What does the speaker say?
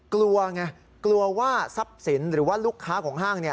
กลัวไงกลัวว่าทรัพย์สินหรือว่าลูกค้าของห้าง